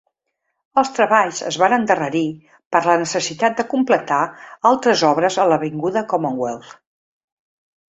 Els treballs es van endarrerir per la necessitat de completar altres obres a l'avinguda Commonwealth.